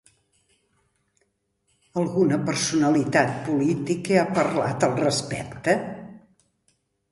Alguna personalitat política ha parlat al respecte?